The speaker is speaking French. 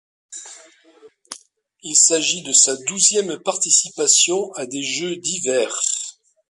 Il s'agit de sa douzième participation à des Jeux d'hiver.